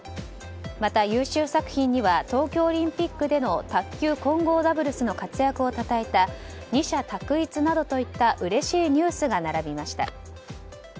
また優秀作品には東京オリンピックでの卓球混合ダブルスの活躍をたたえた二者卓逸などといったうれしいニュースが並びました。